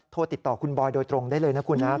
โทรติดต่อคุณบอยโดยตรงได้เลยนะคุณนะ